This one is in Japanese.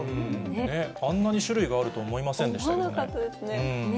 あんなに種類があると思いま思わなかったですね。